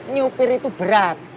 nyupir itu berat